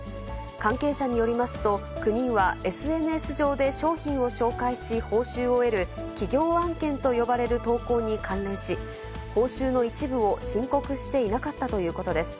関係者によりますと、９人は、ＳＮＳ上で商品を紹介し、報酬を得る企業案件と呼ばれる投稿に関連し、報酬の一部を申告していなかったということです。